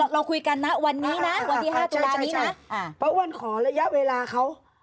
เราคุยกันนะวันนี้นะวันที่๕ตุลานี้นะป้าอ้วนขอระยะเวลาเขา